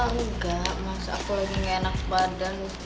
enggak mas aku lagi gak enak badan